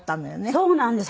そうなんです。